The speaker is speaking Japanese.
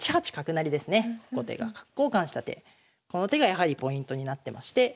後手が角交換した手この手がやはりポイントになってまして。